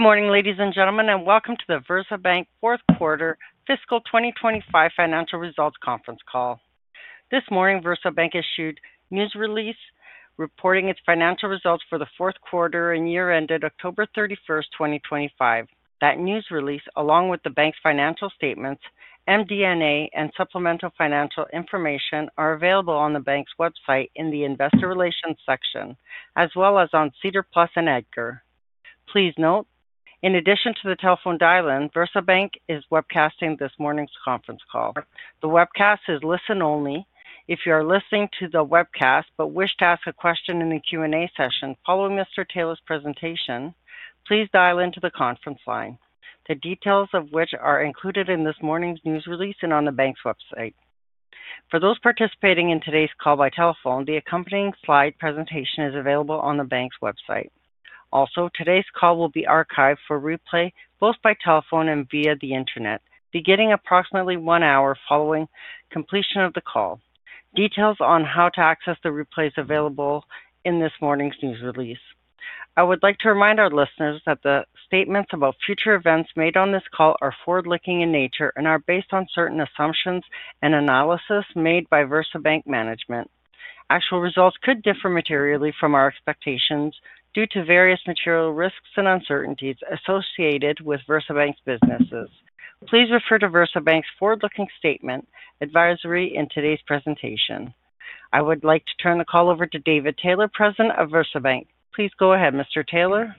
Good morning, ladies and gentlemen, and welcome to the VersaBank Fourth Quarter Fiscal 2025 Financial Results Conference Call. This morning, VersaBank issued a news release reporting its financial results for the fourth quarter and year-end dated October 31, 2025. That news release, along with the bank's financial statements, MD&A, and supplemental financial information, are available on the bank's website in the Investor Relations section, as well as on SEDAR+ and EDGAR. Please note, in addition to the telephone dial-in, VersaBank is webcasting this morning's conference call. The webcast is listen-only. If you are listening to the webcast but wish to ask a question in the Q&A session following Mr. Taylor's presentation, please dial into the conference line, the details of which are included in this morning's news release and on the bank's website. For those participating in today's call by telephone, the accompanying slide presentation is available on the bank's website. Also, today's call will be archived for replay both by telephone and via the internet, beginning approximately one hour following completion of the call. Details on how to access the replay are available in this morning's news release. I would like to remind our listeners that the statements about future events made on this call are forward-looking in nature and are based on certain assumptions and analysis made by VersaBank management. Actual results could differ materially from our expectations due to various material risks and uncertainties associated with VersaBank's businesses. Please refer to VersaBank's forward-looking statement advisory in today's presentation. I would like to turn the call over to David Taylor, President of VersaBank. Please go ahead, Mr. Taylor.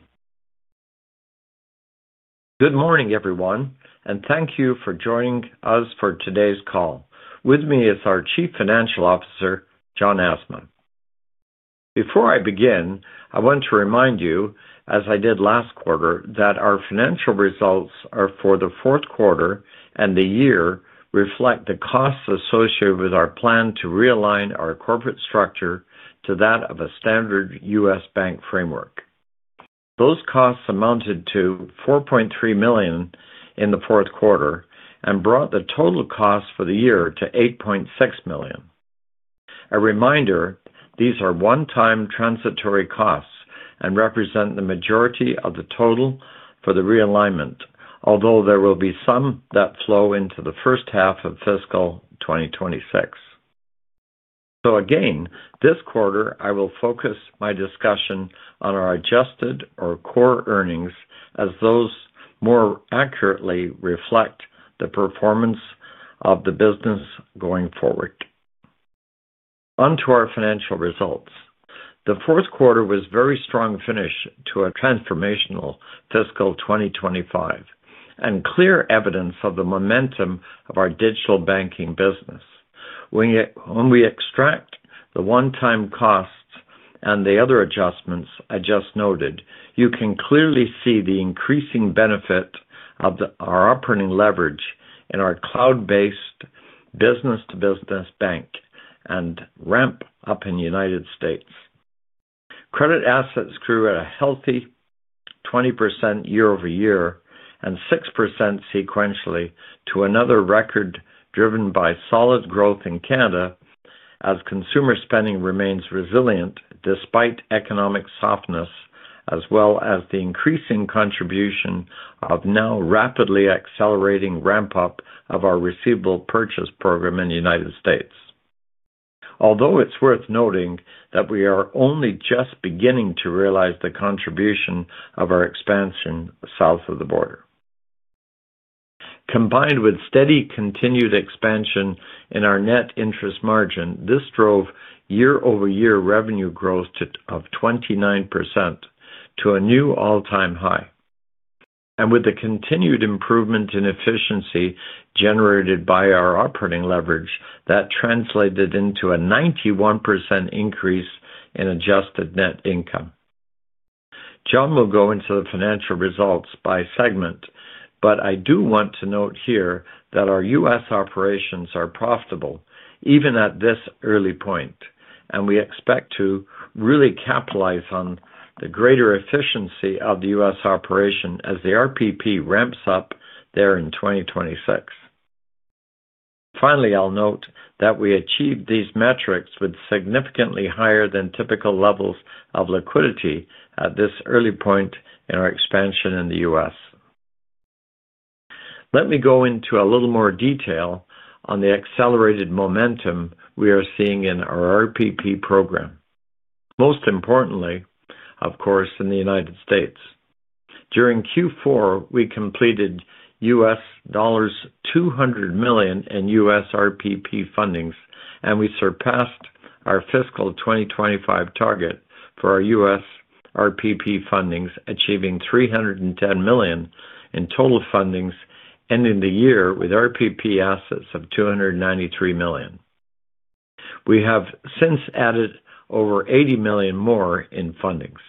Good morning, everyone, and thank you for joining us for today's call. With me is our Chief Financial Officer, John Asma. Before I begin, I want to remind you, as I did last quarter, that our financial results for the fourth quarter and the year reflect the costs associated with our plan to realign our corporate structure to that of a standard U.S. bank framework. Those costs amounted to 4.3 million in the fourth quarter and brought the total cost for the year to 8.6 million. A reminder, these are one-time transitory costs and represent the majority of the total for the realignment, although there will be some that flow into the first half of fiscal 2026. So again, this quarter, I will focus my discussion on our adjusted or core earnings as those more accurately reflect the performance of the business going forward. On to our financial results. The fourth quarter was a very strong finish to a transformational fiscal 2025 and clear evidence of the momentum of our digital banking business. When we extract the one-time costs and the other adjustments I just noted, you can clearly see the increasing benefit of our operating leverage in our cloud-based business-to-business bank and ramp up in the United States. Credit assets grew at a healthy 20% year-over-year and 6% sequentially to another record driven by solid growth in Canada as consumer spending remains resilient despite economic softness, as well as the increasing contribution of now rapidly accelerating ramp-up of our receivable purchase program in the United States. Although it's worth noting that we are only just beginning to realize the contribution of our expansion south of the border. Combined with steady continued expansion in our net interest margin, this drove year-over-year revenue growth of 29% to a new all-time high, and with the continued improvement in efficiency generated by our operating leverage, that translated into a 91% increase in adjusted net income. John will go into the financial results by segment, but I do want to note here that our U.S. operations are profitable even at this early point, and we expect to really capitalize on the greater efficiency of the U.S. operation as the RPP ramps up there in 2026. Finally, I'll note that we achieved these metrics with significantly higher than typical levels of liquidity at this early point in our expansion in the U.S. Let me go into a little more detail on the accelerated momentum we are seeing in our RPP program. Most importantly, of course, in the United States. During Q4, we completed U.S. dollars $200 million in U.S. RPP fundings, and we surpassed our fiscal 2025 target for our U.S. RPP fundings, achieving $310 million in total fundings ending the year with RPP assets of $293 million. We have since added over $80 million more in fundings.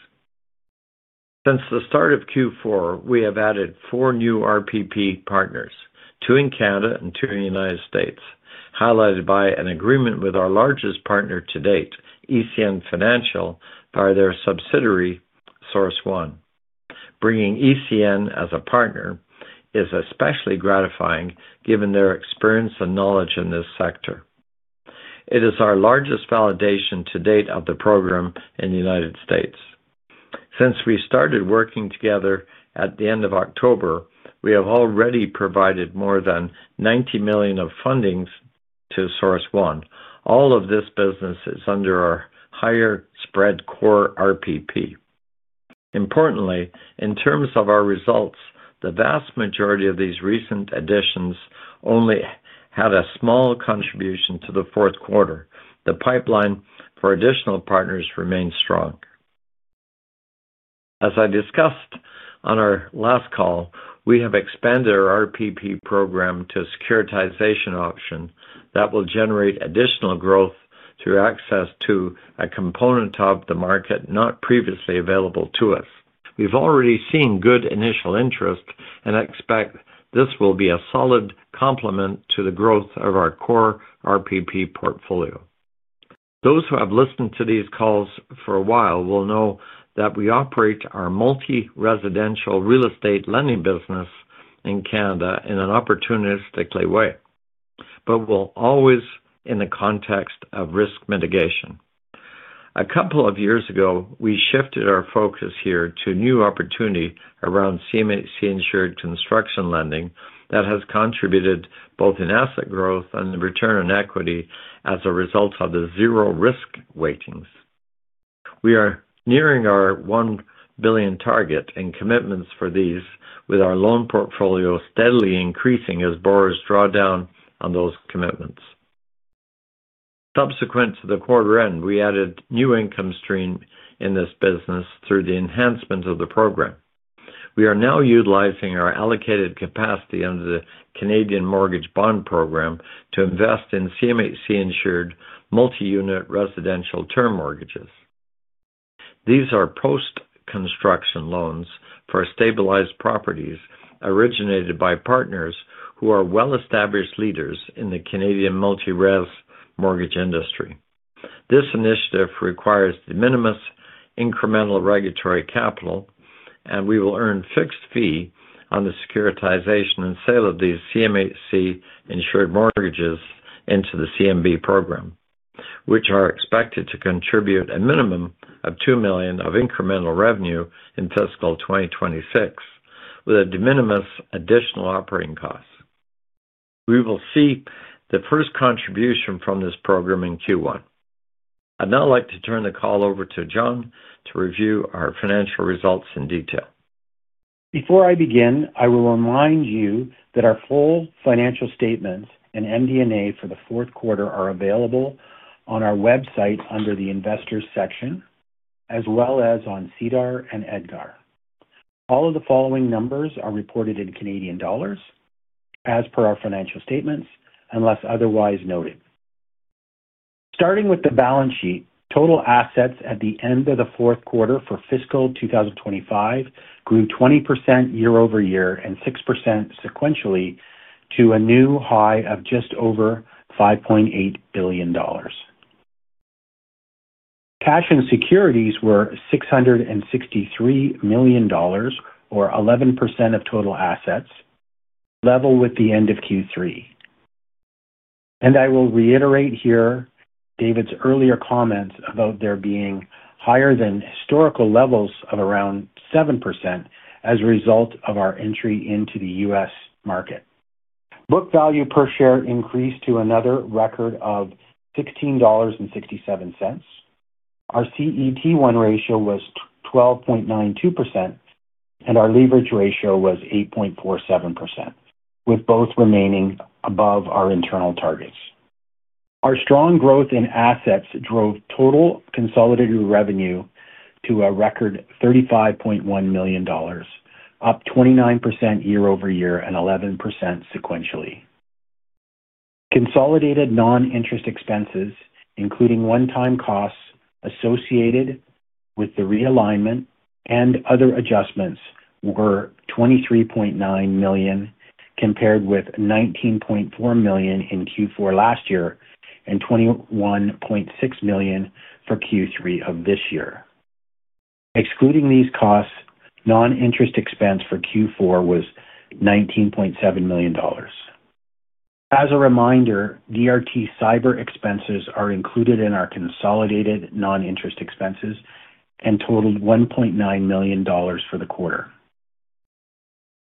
Since the start of Q4, we have added four new RPP partners, two in Canada and two in the United States, highlighted by an agreement with our largest partner to date, ECN Capital, by their subsidiary, Source One. Bringing ECN as a partner is especially gratifying given their experience and knowledge in this sector. It is our largest validation to date of the program in the United States. Since we started working together at the end of October, we have already provided more than $90 million of fundings to Source One. All of this business is under our higher-spread core RPP. Importantly, in terms of our results, the vast majority of these recent additions only had a small contribution to the fourth quarter. The pipeline for additional partners remains strong. As I discussed on our last call, we have expanded our RPP program to a securitization option that will generate additional growth through access to a component of the market not previously available to us. We've already seen good initial interest and expect this will be a solid complement to the growth of our core RPP portfolio. Those who have listened to these calls for a while will know that we operate our multi-residential real estate lending business in Canada in an opportunistically way, but will always in the context of risk mitigation. A couple of years ago, we shifted our focus here to new opportunity around CMHC-insured construction lending that has contributed both in asset growth and return on equity as a result of the zero-risk weightings. We are nearing our 1 billion target and commitments for these, with our loan portfolio steadily increasing as borrowers draw down on those commitments. Subsequent to the quarter-end, we added new income streams in this business through the enhancement of the program. We are now utilizing our allocated capacity under the Canadian Mortgage Bond Program to invest in CMHC-insured multi-unit residential term mortgages. These are post-construction loans for stabilized properties originated by partners who are well-established leaders in the Canadian multi-res mortgage industry. This initiative requires the minimum incremental regulatory capital, and we will earn a fixed fee on the securitization and sale of these CMHC-insured mortgages into the CMB program, which are expected to contribute a minimum of $2 million of incremental revenue in fiscal 2026, with a de minimis additional operating cost. We will see the first contribution from this program in Q1. I'd now like to turn the call over to John to review our financial results in detail. Before I begin, I will remind you that our full financial statements and MD&A for the fourth quarter are available on our website under the Investor section, as well as on SEDAR+ and EDGAR. All of the following numbers are reported in Canadian dollars as per our financial statements, unless otherwise noted. Starting with the balance sheet, total assets at the end of the fourth quarter for fiscal 2025 grew 20% year-over-year and 6% sequentially to a new high of just over 5.8 billion dollars. Cash and securities were 663 million dollars, or 11% of total assets, level with the end of Q3, and I will reiterate here David's earlier comments about there being higher than historical levels of around 7% as a result of our entry into the U.S. market. Book value per share increased to another record of 16.67 dollars. Our CET1 ratio was 12.92%, and our leverage ratio was 8.47%, with both remaining above our internal targets. Our strong growth in assets drove total consolidated revenue to a record 35.1 million dollars, up 29% year-over-year and 11% sequentially. Consolidated non-interest expenses, including one-time costs associated with the realignment and other adjustments, were 23.9 million, compared with 19.4 million in Q4 last year and 21.6 million for Q3 of this year. Excluding these costs, non-interest expense for Q4 was 19.7 million dollars. As a reminder, DRT Cyber expenses are included in our consolidated non-interest expenses and totaled 1.9 million dollars for the quarter.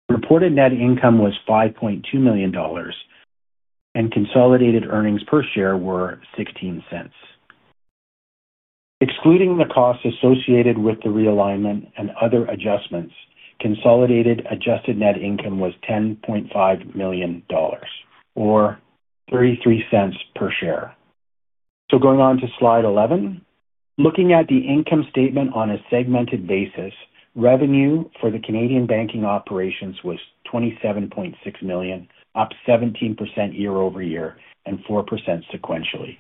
Reported net income was 5.2 million dollars, and consolidated earnings per share were 0.16. Excluding the costs associated with the realignment and other adjustments, consolidated adjusted net income was 10.5 million dollars, or 0.33 per share. So going on to slide 11. Looking at the income statement on a segmented basis, revenue for the Canadian banking operations was $27.6 million, up 17% year-over-year and 4% sequentially.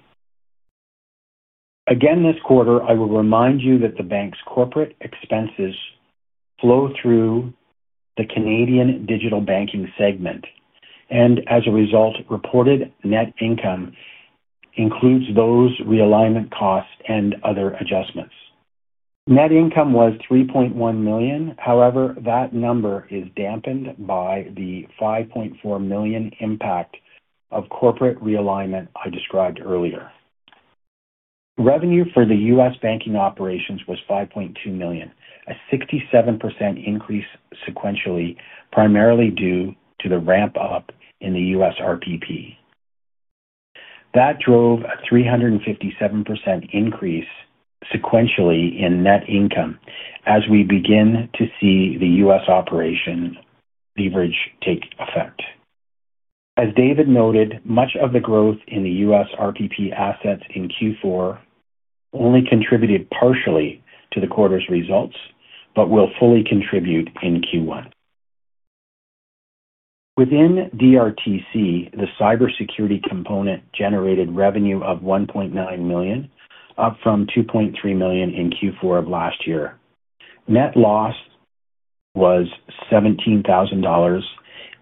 Again, this quarter, I will remind you that the bank's corporate expenses flow through the Canadian digital banking segment, and as a result, reported net income includes those realignment costs and other adjustments. Net income was $3.1 million. However, that number is dampened by the $5.4 million impact of corporate realignment I described earlier. Revenue for the U.S. banking operations was $5.2 million, a 67% increase sequentially, primarily due to the ramp-up in the U.S. RPP. That drove a 357% increase sequentially in net income as we begin to see the U.S. operating leverage take effect. As David noted, much of the growth in the U.S. RPP assets in Q4 only contributed partially to the quarter's results but will fully contribute in Q1. Within DRT Cyber, the cybersecurity component generated revenue of 1.9 million, up from 2.3 million in Q4 of last year. Net loss was 17,000 dollars,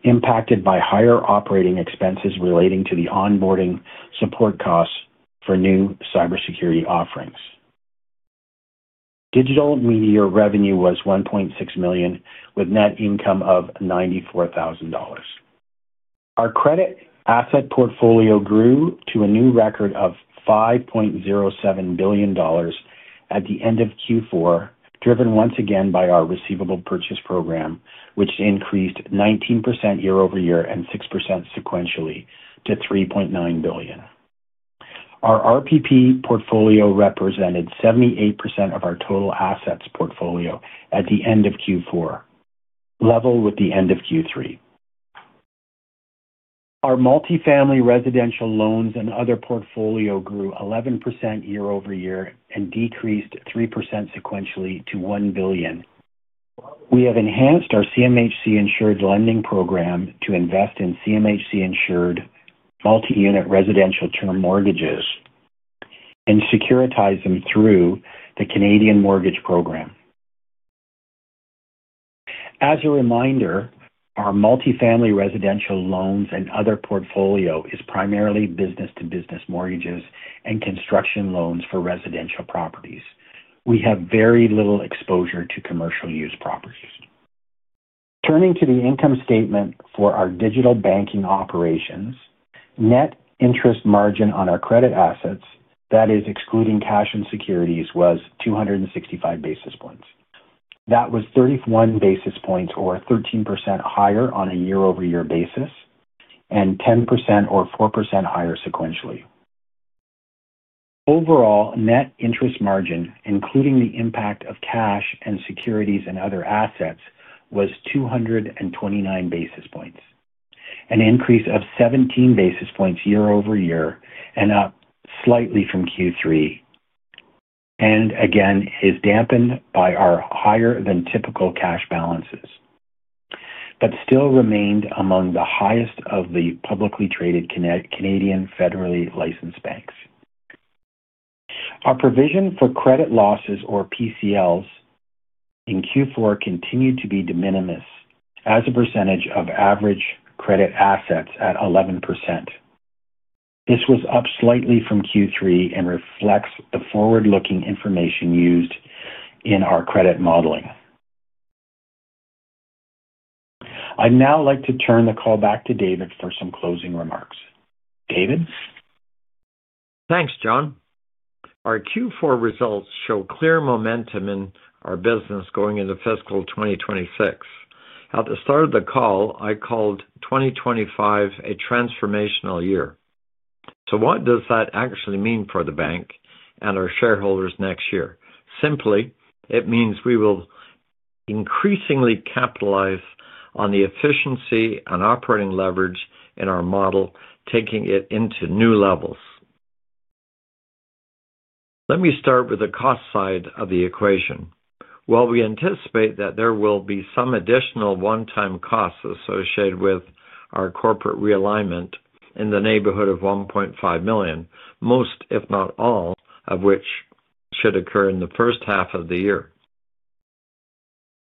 impacted by higher operating expenses relating to the onboarding support costs for new cybersecurity offerings. Digital media revenue was 1.6 million, with net income of 94,000 dollars. Our credit asset portfolio grew to a new record of 5.07 billion dollars at the end of Q4, driven once again by our receivable purchase program, which increased 19% year-over-year and 6% sequentially to 3.9 billion. Our RPP portfolio represented 78% of our total assets portfolio at the end of Q4, level with the end of Q3. Our multi-family residential loans and other portfolio grew 11% year-over-year and decreased 3% sequentially to 1 billion. We have enhanced our CMHC-insured lending program to invest in CMHC-insured multi-unit residential term mortgages and securitize them through the Canadian mortgage program. As a reminder, our multi-family residential loans and other portfolio is primarily business-to-business mortgages and construction loans for residential properties. We have very little exposure to commercial-use properties. Turning to the income statement for our digital banking operations, net interest margin on our credit assets, that is excluding cash and securities, was 265 basis points. That was 31 basis points, or 13% higher on a year-over-year basis, and 10%, or 4% higher sequentially. Overall, net interest margin, including the impact of cash and securities and other assets, was 229 basis points, an increase of 17 basis points year-over-year and up slightly from Q3, and again is dampened by our higher-than-typical cash balances, but still remained among the highest of the publicly traded Canadian federally licensed banks. Our provision for credit losses, or PCLs, in Q4 continued to be de minimis as a percentage of average credit assets at 11%. This was up slightly from Q3 and reflects the forward-looking information used in our credit modeling. I'd now like to turn the call back to David for some closing remarks. David? Thanks, John. Our Q4 results show clear momentum in our business going into fiscal 2026. At the start of the call, I called 2025 a transformational year. So what does that actually mean for the bank and our shareholders next year? Simply, it means we will increasingly capitalize on the efficiency and operating leverage in our model, taking it into new levels. Let me start with the cost side of the equation. While we anticipate that there will be some additional one-time costs associated with our corporate realignment in the neighborhood of $1.5 million, most, if not all, of which should occur in the first half of the year.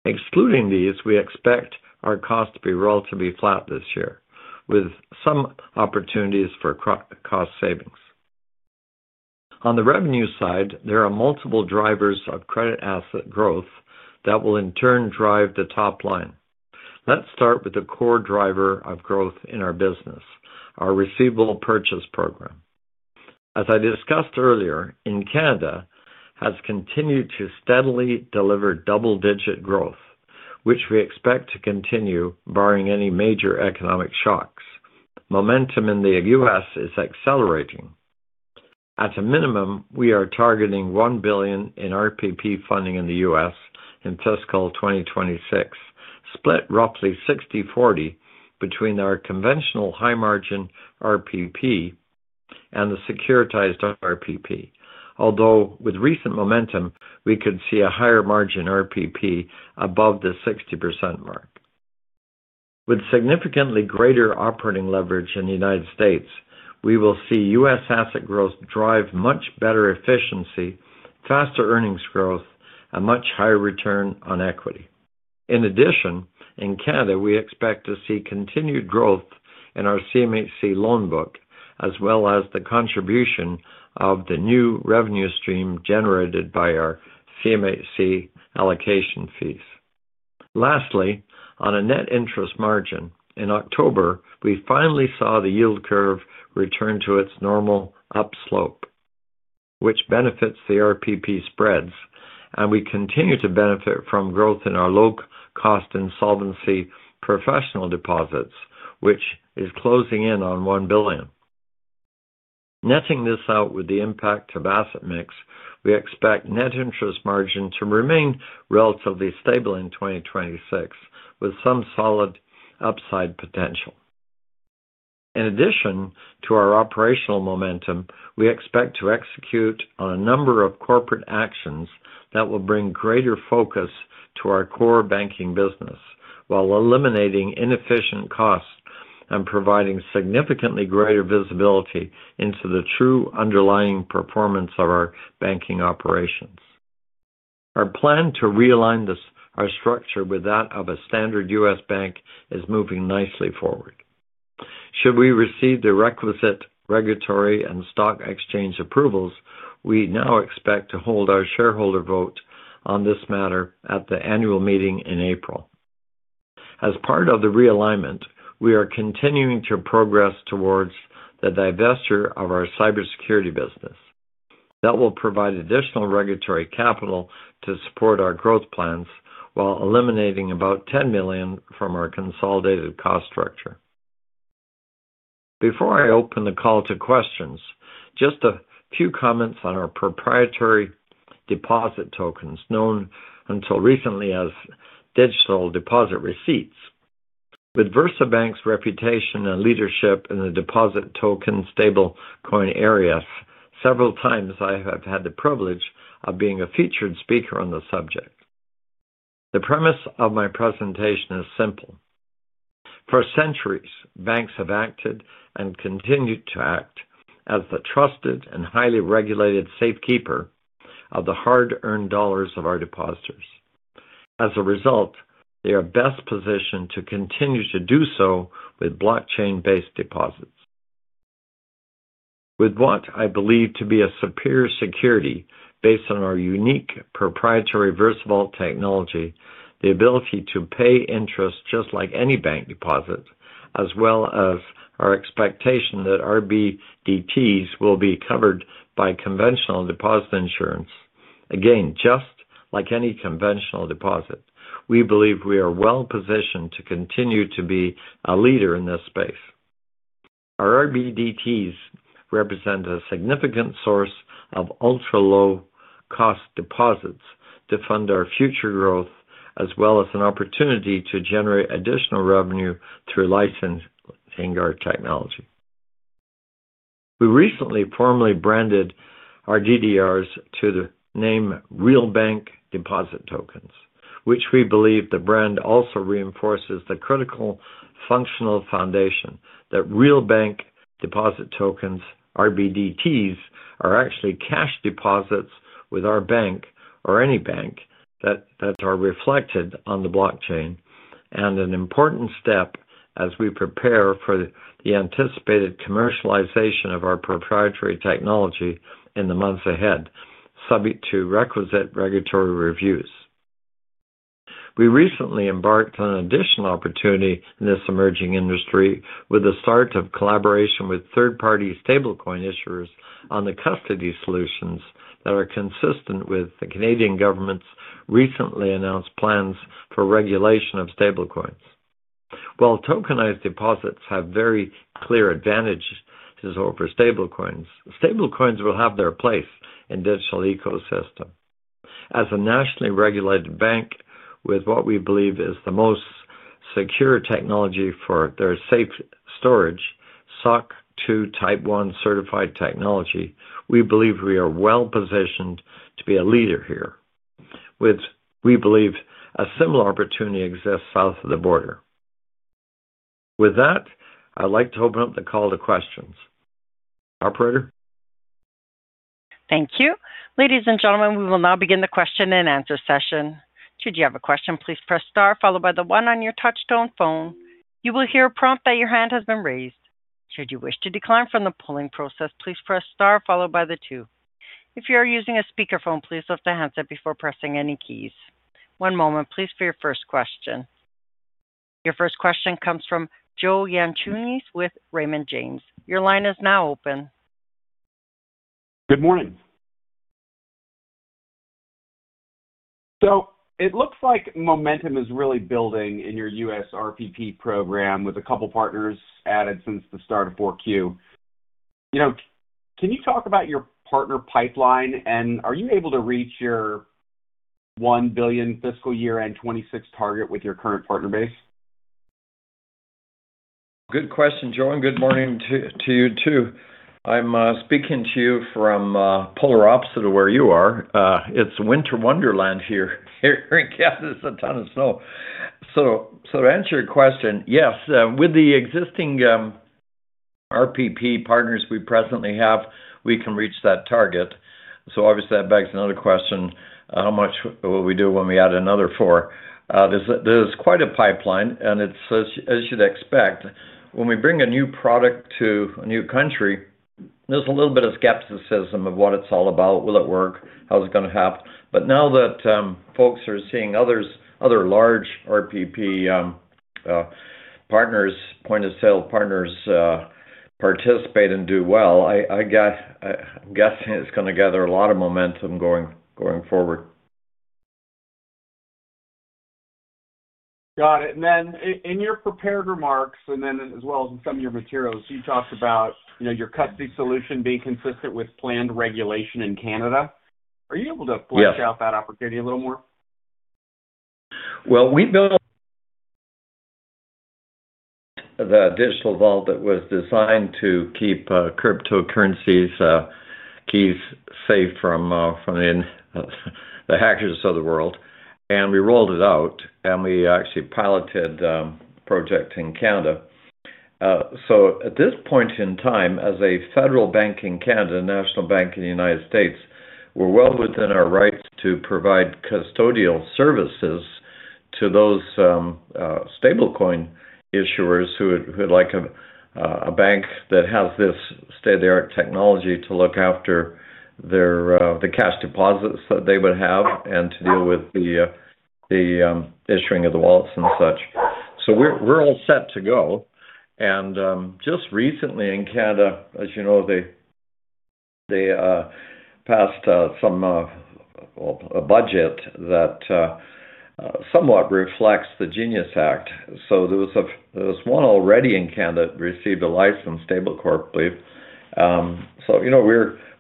Excluding these, we expect our costs to be relatively flat this year, with some opportunities for cost savings. On the revenue side, there are multiple drivers of credit asset growth that will in turn drive the top line. Let's start with the core driver of growth in our business, our receivable purchase program. As I discussed earlier, in Canada, it has continued to steadily deliver double-digit growth, which we expect to continue barring any major economic shocks. Momentum in the U.S. is accelerating. At a minimum, we are targeting $1 billion in RPP funding in the U.S. in fiscal 2026, split roughly 60/40 between our conventional high-margin RPP and the securitized RPP, although with recent momentum, we could see a higher-margin RPP above the 60% mark. With significantly greater operating leverage in the United States, we will see U.S. asset growth drive much better efficiency, faster earnings growth, and much higher return on equity. In addition, in Canada, we expect to see continued growth in our CMHC loan book, as well as the contribution of the new revenue stream generated by our CMHC allocation fees. Lastly, on a net interest margin, in October, we finally saw the yield curve return to its normal upslope, which benefits the RPP spreads, and we continue to benefit from growth in our low-cost insolvency professional deposits, which is closing in on 1 billion. Netting this out with the impact of asset mix, we expect net interest margin to remain relatively stable in 2026, with some solid upside potential. In addition to our operational momentum, we expect to execute on a number of corporate actions that will bring greater focus to our core banking business while eliminating inefficient costs and providing significantly greater visibility into the true underlying performance of our banking operations. Our plan to realign our structure with that of a standard U.S. bank is moving nicely forward. Should we receive the requisite regulatory and stock exchange approvals, we now expect to hold our shareholder vote on this matter at the annual meeting in April. As part of the realignment, we are continuing to progress towards the divestiture of our cybersecurity business. That will provide additional regulatory capital to support our growth plans while eliminating about 10 million from our consolidated cost structure. Before I open the call to questions, just a few comments on our proprietary deposit tokens, known until recently as digital deposit receipts. With VersaBank's reputation and leadership in the deposit token stablecoin area, several times I have had the privilege of being a featured speaker on the subject. The premise of my presentation is simple. For centuries, banks have acted and continue to act as the trusted and highly regulated safekeeper of the hard-earned dollars of our depositors. As a result, they are best positioned to continue to do so with blockchain-based deposits. With what I believe to be a superior security based on our unique proprietary VersaBank technology, the ability to pay interest just like any bank deposit, as well as our expectation that RBDTs will be covered by conventional deposit insurance, again, just like any conventional deposit, we believe we are well positioned to continue to be a leader in this space. Our RBDTs represent a significant source of ultra-low-cost deposits to fund our future growth, as well as an opportunity to generate additional revenue through licensing our technology. We recently formally branded our DDRs to the name RealBank Deposit Tokens, which we believe the brand also reinforces the critical functional foundation that RealBank Deposit Tokens (RBDTs) are actually cash deposits with our bank or any bank that are reflected on the blockchain, and an important step as we prepare for the anticipated commercialization of our proprietary technology in the months ahead, subject to requisite regulatory reviews. We recently embarked on an additional opportunity in this emerging industry with the start of collaboration with third-party stablecoin issuers on the custody solutions that are consistent with the Canadian government's recently announced plans for regulation of stablecoins. While tokenized deposits have very clear advantages over stablecoins, stablecoins will have their place in the digital ecosystem. As a nationally regulated bank with what we believe is the most secure technology for their safe storage, SOC 2 Type 1 certified technology, we believe we are well positioned to be a leader here, with, we believe, a similar opportunity to exist south of the border. With that, I'd like to open up the call to questions. Operator? Thank you. Ladies and gentlemen, we will now begin the question and answer session. Should you have a question, please press star, followed by the one on your touch-tone phone. You will hear a prompt that your hand has been raised. Should you wish to decline from the polling process, please press star, followed by the two. If you are using a speakerphone, please lift a handset before pressing any keys. One moment, please, for your first question. Your first question comes from Joseph Yanchunis with Raymond James. Your line is now open. Good morning. So it looks like momentum is really building in your U.S. RPP program with a couple of partners added since the start of 4Q. Can you talk about your partner pipeline, and are you able to reach your $1 billion fiscal year-end 2026 target with your current partner base? Good question, John. Good morning to you too. I'm speaking to you from the polar opposite, where you are. It's winter wonderland here. Here in Kansas, it's a ton of snow. So to answer your question, yes. With the existing RPP partners we presently have, we can reach that target. So obviously, that begs another question: how much will we do when we add another four? There's quite a pipeline, and it's as you'd expect. When we bring a new product to a new country, there's a little bit of skepticism of what it's all about, will it work, how's it going to happen. But now that folks are seeing other large RPP partners, point-of-sale partners participate and do well, I'm guessing it's going to gather a lot of momentum going forward. Got it. And then in your prepared remarks, and then as well as in some of your materials, you talked about your custody solution being consistent with planned regulation in Canada. Are you able to flesh out that opportunity a little more? We built the digital vault that was designed to keep cryptocurrencies keys safe from the hackers of the world, and we rolled it out, and we actually piloted a project in Canada. At this point in time, as a federal bank in Canada and a national bank in the United States, we're well within our rights to provide custodial services to those stablecoin issuers who would like a bank that has this state-of-the-art technology to look after the cash deposits that they would have and to deal with the issuing of the wallets and such. We're all set to go. Just recently in Canada, as you know, they passed some budget that somewhat reflects the Genius Act. There was one already in Canada that received a license, Stablecorp, I believe.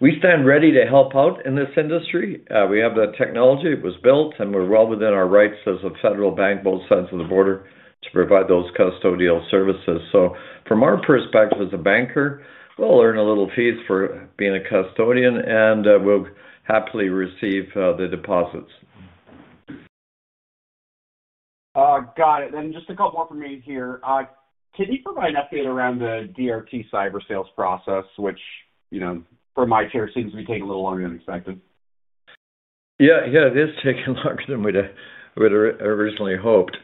We stand ready to help out in this industry. We have the technology. It was built, and we're well within our rights as a federal bank, both sides of the border, to provide those custodial services, so from our perspective as a banker, we'll earn a little fees for being a custodian, and we'll happily receive the deposits. Got it. And then just a couple more from me here. Can you provide an update around the DRT Cyber sales process, which from my chair seems to be taking a little longer than expected? Yeah, yeah, it is taking longer than we originally hoped.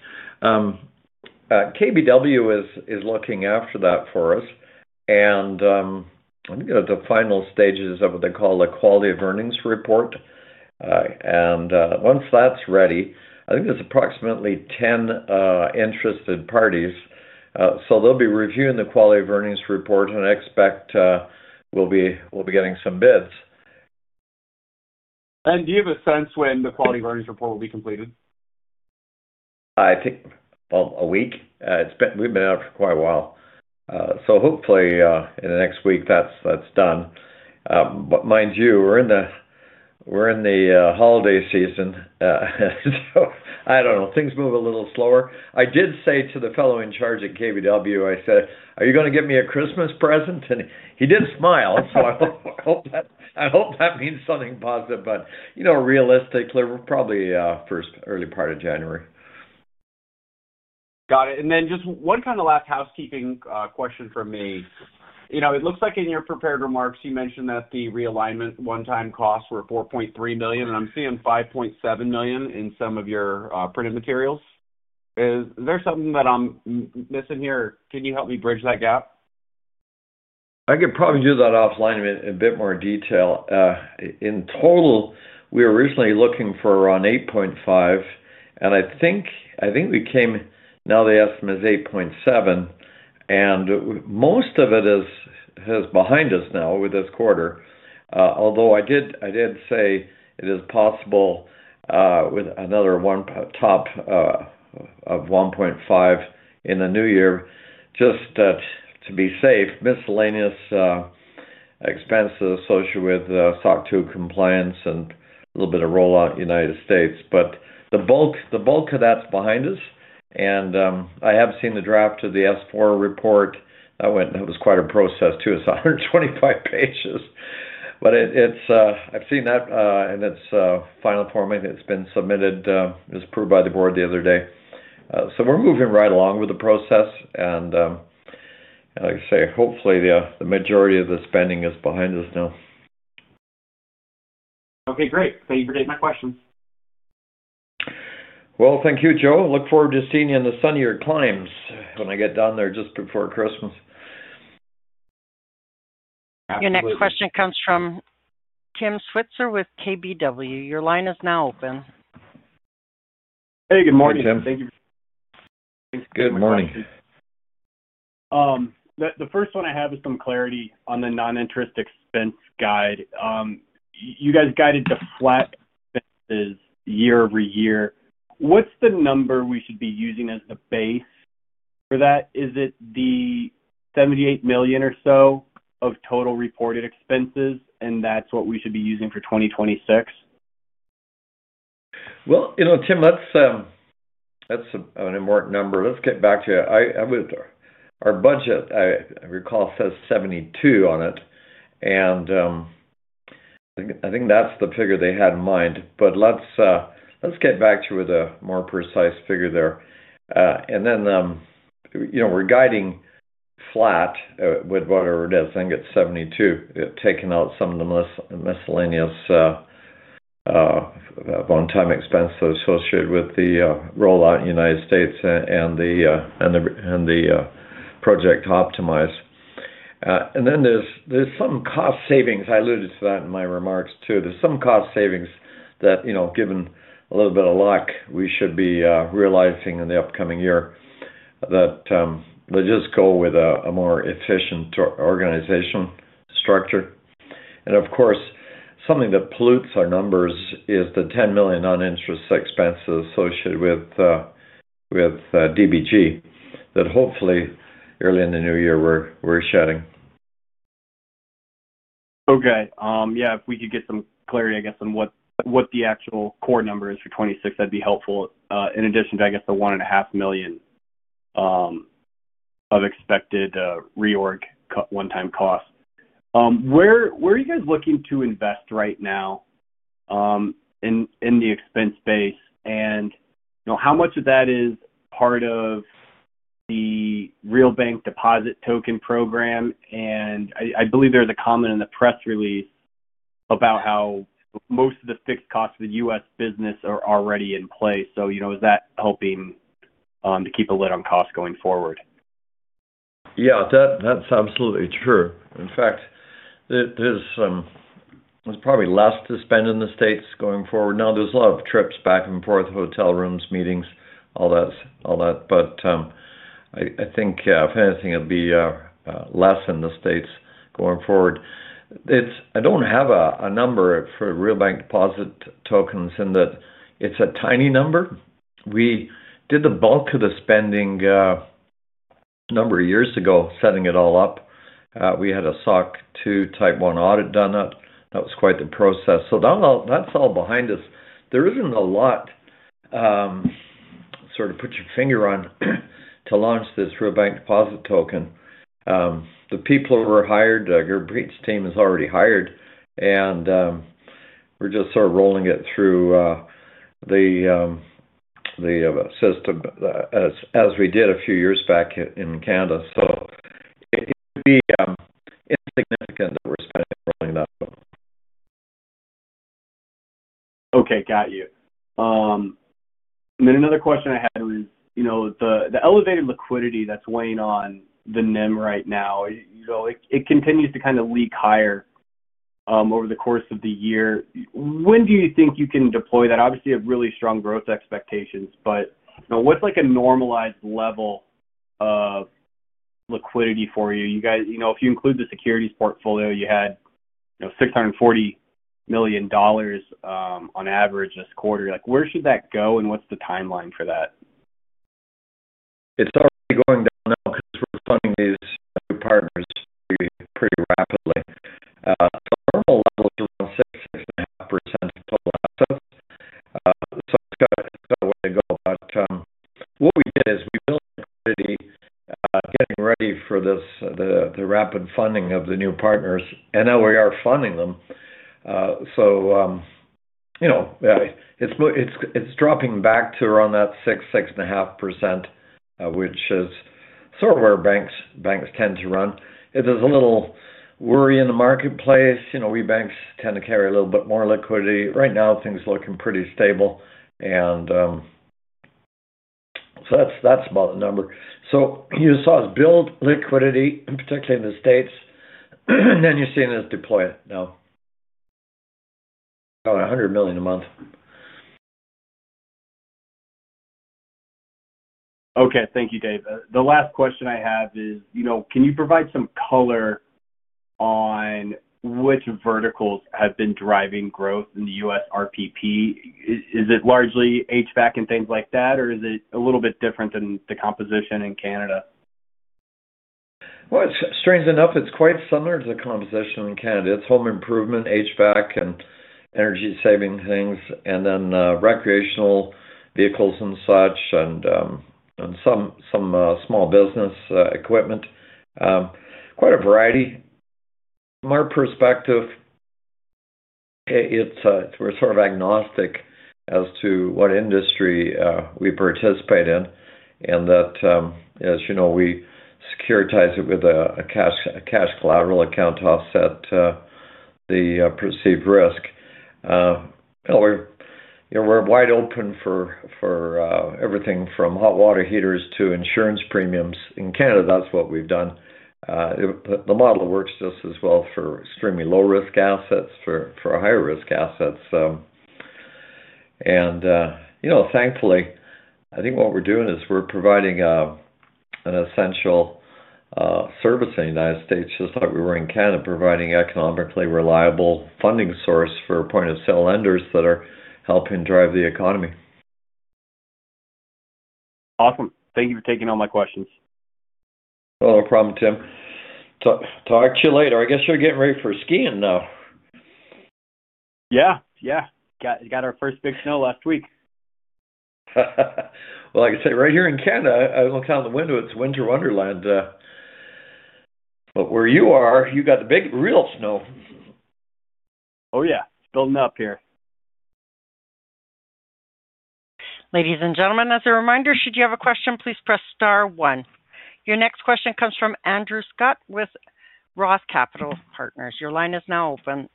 KBW is looking after that for us, and I'm going to the final stages of what they call a quality of earnings report, and once that's ready, I think there's approximately 10 interested parties, so they'll be reviewing the quality of earnings report, and I expect we'll be getting some bids. Do you have a sense when the quality of earnings report will be completed? I think, well, a week. We've been out for quite a while, so hopefully, in the next week, that's done. But mind you, we're in the holiday season, so I don't know. Things move a little slower. I did say to the fellow in charge at KBW, I said, "Are you going to give me a Christmas present?" and he did smile, so I hope that means something positive, but realistically, probably first early part of January. Got it. And then just one kind of last housekeeping question from me. It looks like in your prepared remarks, you mentioned that the realignment one-time costs were 4.3 million, and I'm seeing 5.7 million in some of your printed materials. Is there something that I'm missing here? Can you help me bridge that gap? I could probably do that offline in a bit more detail. In total, we were originally looking for around $8.5 million, and I think we came, now the estimate is $8.7 million, and most of it is behind us now with this quarter. Although I did say it is possible with another one on top of $1.5 million in the new year, just to be safe, miscellaneous expenses associated with SOC 2 compliance and a little bit of rollout in the United States. But the bulk of that's behind us, and I have seen the draft of the S-4 report. That was quite a process too. It's 125 pages, but I've seen that in its final form. I think it's been submitted. It was approved by the board the other day, so we're moving right along with the process. Like I say, hopefully, the majority of the spending is behind us now. Okay, great. Thank you for taking my questions. Thank you, Joe. Look forward to seeing you in the sunnier climes when I get down there just before Christmas. Your next question comes from Tim Switzer with KBW. Your line is now open. Hey, good morning, Tim. Good morning. The first one I have is some clarity on the non-interest expense guide. You guys guided the flat expenses year over year. What's the number we should be using as the base for that? Is it the $78 million or so of total reported expenses, and that's what we should be using for 2026? Well, Tim, that's an important number. Let's get back to it. Our budget, I recall, says $72 million on it. And I think that's the figure they had in mind. But let's get back to you with a more precise figure there. And then we're guiding flat with whatever it is. I think it's $72 million taking out some of the miscellaneous one-time expenses associated with the rollout in the United States and the Project Optimize. And then there's some cost savings. I alluded to that in my remarks too. There's some cost savings that, given a little bit of luck, we should be realizing in the upcoming year that they just go with a more efficient organization structure. And of course, something that pollutes our numbers is the $10 million non-interest expenses associated with DBG that hopefully, early in the new year, we're shedding. Okay. Yeah, if we could get some clarity, I guess, on what the actual core number is for 2026, that'd be helpful in addition to, I guess, the $1.5 million of expected reorg one-time costs. Where are you guys looking to invest right now in the expense base? And how much of that is part of the RealBank Deposit Token program? And I believe there's a comment in the press release about how most of the fixed costs for the U.S. business are already in place. So is that helping to keep a lid on costs going forward? Yeah, that's absolutely true. In fact, there's probably less to spend in the States going forward. Now, there's a lot of trips back and forth, hotel rooms, meetings, all that. But I think, if anything, it'll be less in the States going forward. I don't have a number for RealBank Deposit Tokens, in that it's a tiny number. We did the bulk of the spending a number of years ago, setting it all up. We had a SOC 2 Type 1 audit done that. That was quite the process. So that's all behind us. There isn't a lot sort of put your finger on to launch this RealBank Deposit Token. The people who were hired, Gurraj's team is already hired, and we're just sort of rolling it through the system as we did a few years back in Canada. So it would be insignificant that we're spending rolling that. Okay, got you. And then another question I had was the elevated liquidity that's weighing on the NIM right now. It continues to kind of leak higher over the course of the year. When do you think you can deploy that? Obviously, you have really strong growth expectations, but what's a normalized level of liquidity for you? If you include the securities portfolio, you had 640 million dollars on average this quarter. Where should that go, and what's the timeline for that? It's already going down now because we're funding these new partners pretty rapidly. So our normal level is around 6%-6.5% total assets. So it's got a way to go. But what we did is we built liquidity getting ready for the rapid funding of the new partners, and now we are funding them. So it's dropping back to around that 6%-6.5%, which is sort of where banks tend to run. It is a little worry in the marketplace. We banks tend to carry a little bit more liquidity. Right now, things are looking pretty stable. And so that's about the number. So you saw us build liquidity, particularly in the States, and then you're seeing us deploy it now. About $100 million a month. Okay, thank you, David. The last question I have is, can you provide some color on which verticals have been driving growth in the U.S. RPP? Is it largely HVAC and things like that, or is it a little bit different than the composition in Canada? Strange enough, it's quite similar to the composition in Canada. It's home improvement, HVAC and energy-saving things, and then recreational vehicles and such, and some small business equipment. Quite a variety. From our perspective, we're sort of agnostic as to what industry we participate in. As you know, we securitize it with a cash collateral account to offset the perceived risk. We're wide open for everything from hot water heaters to insurance premiums. In Canada, that's what we've done. The model works just as well for extremely low-risk assets for higher-risk assets. Thankfully, I think what we're doing is we're providing an essential service in the United States, just like we were in Canada, providing an economically reliable funding source for point-of-sale lenders that are helping drive the economy. Awesome. Thank you for taking all my questions. No problem, Tim. Talk to you later. I guess you're getting ready for skiing now. Yeah, yeah. Got our first big snow last week. Well, like I say, right here in Canada, I look out the window. It's winter wonderland. But where you are, you got the big real snow. Oh, yeah. It's building up here. Ladies and gentlemen, as a reminder, should you have a question, please press star one. Your next question comes from Andrew Scott with Roth Capital Partners. Your line is now open.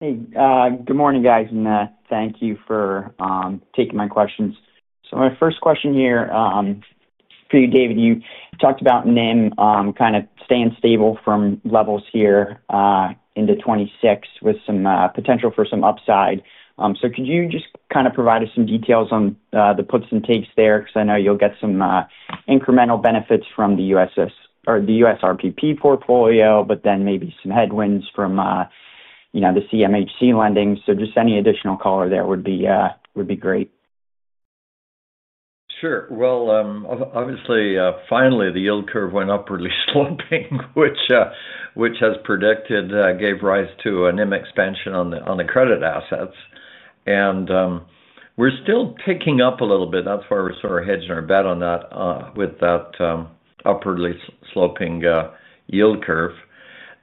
Hey, good morning, guys. And thank you for taking my questions. So my first question here for you, David, you talked about NIM kind of staying stable from levels here into 2026 with some potential for some upside. So could you just kind of provide us some details on the puts and takes there? Because I know you'll get some incremental benefits from the U.S. RPP portfolio, but then maybe some headwinds from the CMHC lending. So just any additional color there would be great. Sure. Well, obviously, finally, the yield curve went upwardly sloping, which, as predicted, gave rise to a NIM expansion on the credit assets. And we're still picking up a little bit. That's why we're sort of hedging our bet on that with that upwardly sloping yield curve.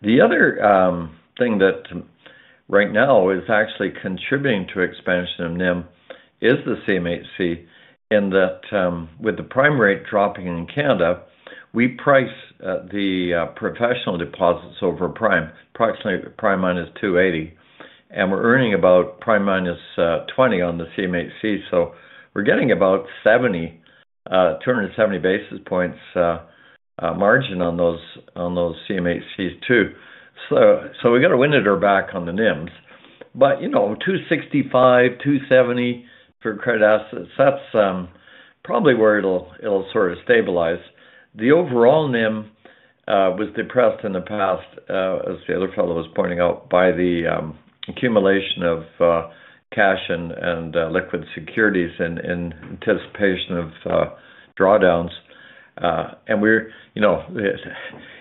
The other thing that right now is actually contributing to expansion of NIM is the CMHC, in that with the prime rate dropping in Canada, we price the professional deposits over prime, approximately prime minus 280. And we're earning about prime minus 20 on the CMHC. So we're getting about 270 basis points margin on those CMHCs too. So we got a wind at our back on the NIMs. But 265-270 for credit assets, that's probably where it'll sort of stabilize. The overall NIM was depressed in the past, as the other fellow was pointing out, by the accumulation of cash and liquid securities in anticipation of drawdowns, and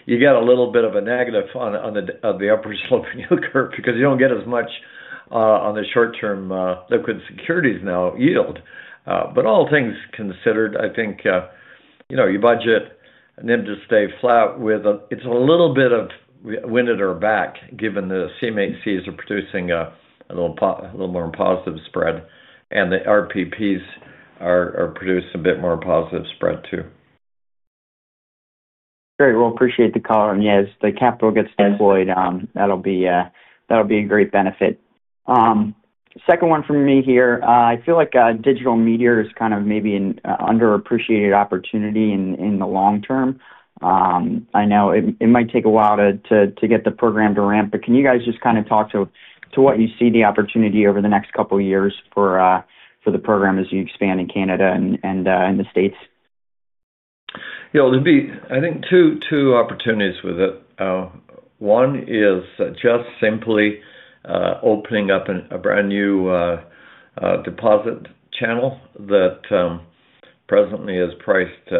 you get a little bit of a negative on the upward sloping yield curve because you don't get as much on the short-term liquid securities now yield, but all things considered, I think you budget NIM to stay flat, with it's a little bit of wind at our back given the CMHCs are producing a little more positive spread, and the RPPs are producing a bit more positive spread too. Great. Well, appreciate the call. And as the capital gets deployed, that'll be a great benefit. Second one from me here. I feel like digital media is kind of maybe an underappreciated opportunity in the long term. I know it might take a while to get the program to ramp, but can you guys just kind of talk to what you see the opportunity over the next couple of years for the program as you expand in Canada and the States? Yeah, there'd be, I think, two opportunities with it. One is just simply opening up a brand new deposit channel that presently is priced,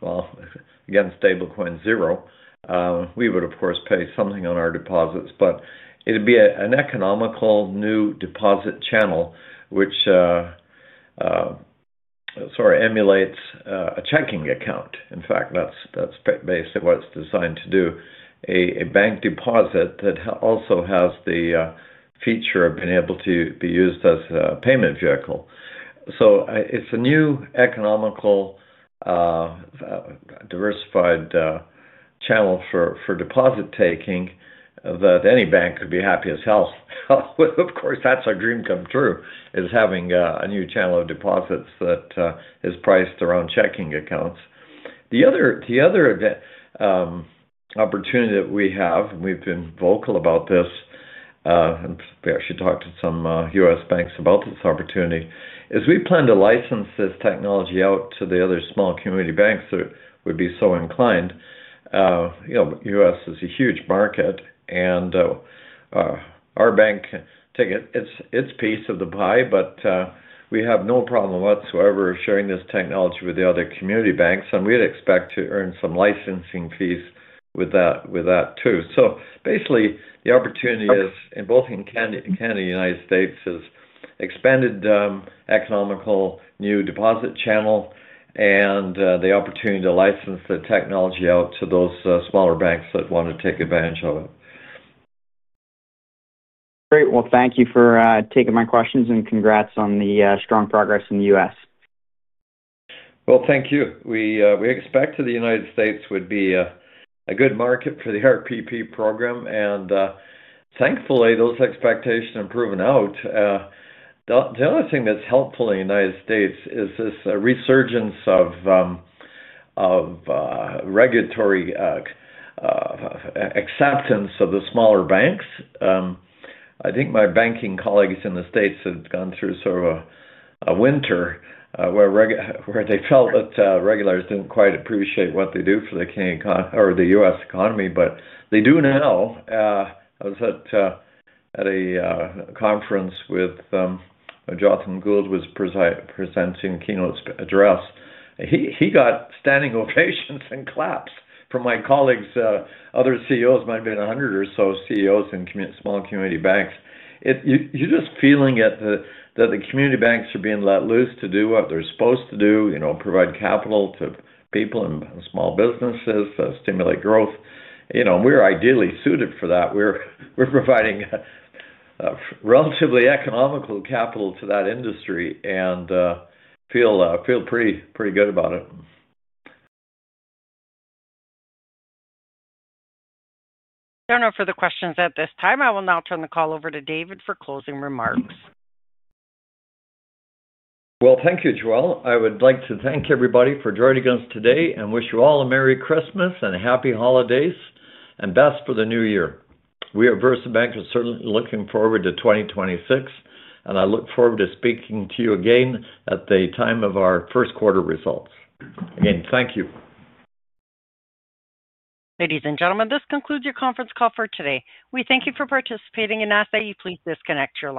well, against stablecoin zero. We would, of course, pay something on our deposits, but it'd be an economical new deposit channel which sort of emulates a checking account. In fact, that's basically what it's designed to do: a bank deposit that also has the feature of being able to be used as a payment vehicle. So it's a new economical diversified channel for deposit taking that any bank would be happy as hell. Of course, that's our dream come true, is having a new channel of deposits that is priced around checking accounts. The other opportunity that we have, and we've been vocal about this, and we actually talked to some U.S. banks about this opportunity is we plan to license this technology out to the other small community banks that would be so inclined. U.S. is a huge market, and our bank took its piece of the pie, but we have no problem whatsoever sharing this technology with the other community banks, and we'd expect to earn some licensing fees with that too, so basically, the opportunity is, both in Canada and the United States, is expanded economical new deposit channel and the opportunity to license the technology out to those smaller banks that want to take advantage of it. Great. Well, thank you for taking my questions and congrats on the strong progress in the U.S. Thank you. We expect that the United States would be a good market for the RPP program. Thankfully, those expectations have proven out. The other thing that's helpful in the United States is this resurgence of regulatory acceptance of the smaller banks. I think my banking colleagues in the States have gone through sort of a winter where they felt that regulators didn't quite appreciate what they do for the U.S. economy. They do now. I was at a conference with Jonathan Gould, who was presenting a keynote address. He got standing ovations and claps from my colleagues, other CEOs, might have been 100 or so CEOs in small community banks. You are just feeling that the community banks are being let loose to do what they're supposed to do, provide capital to people and small businesses, stimulate growth. We are ideally suited for that. We're providing relatively economical capital to that industry and feel pretty good about it. There are no further questions at this time. I will now turn the call over to David for closing remarks. Well, thank you, Joe. I would like to thank everybody for joining us today and wish you all a Merry Christmas and happy holidays and best for the new year. We at VersaBank are certainly looking forward to 2026, and I look forward to speaking to you again at the time of our first quarter results. Again, thank you. Ladies and gentlemen, this concludes your conference call for today. We thank you for participating and ask that you please disconnect your line.